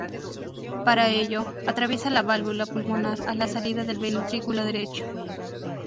Para ello, atraviesa la válvula pulmonar, a la salida del ventrículo derecho.